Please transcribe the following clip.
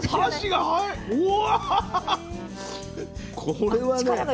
これはね